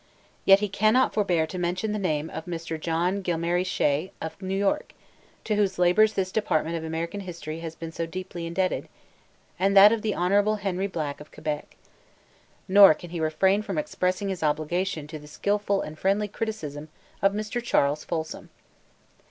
Yet he cannot forbear to mention the name of Mr. John Gilmary Shea of New York, to whose labors this department of American history has been so deeply indebted, and that of the Hon. Henry Black of Quebec. Nor can he refrain from expressing his obligation to the skilful and friendly criticism of Mr. Charles Folsom.